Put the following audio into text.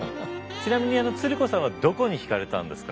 ちなみに鶴子さんはどこに引かれたんですか？